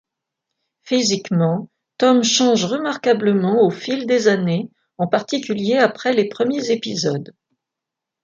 Physiquement, Tom change remarquablement au fil des années, en particulier après les premiers épisodes.